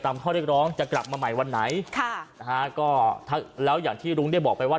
ข้อเรียกร้องจะกลับมาใหม่วันไหนค่ะนะฮะก็ถ้าแล้วอย่างที่รุ้งได้บอกไปว่า